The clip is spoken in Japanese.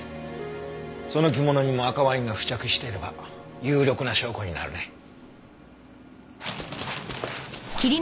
その着物にも赤ワインが付着していれば有力な証拠になるね。